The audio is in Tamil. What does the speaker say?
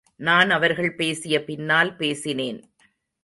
நான் அவர்கள் பேசிய பின்னால் பேசினேன்.